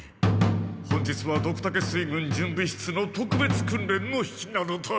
本日はドクタケ水軍準備室の特別訓練の日なのだ！